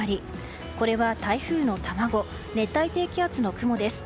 これは台風の卵熱帯低気圧の雲です。